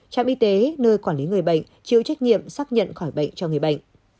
trạm y tế nơi quản lý người bệnh chịu trách nhiệm xác nhận khỏi bệnh cho người bệnh